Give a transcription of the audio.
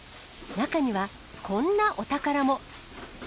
中には、こんなお宝も。